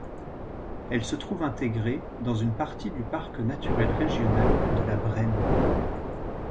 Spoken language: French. Elle se trouve intégré dans une partie du parc naturel régional de la Brenne.